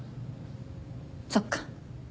そっか。